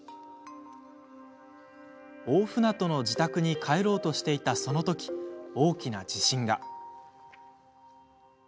大船渡の自宅に帰ろうとしていたそのとき、大きな地震が。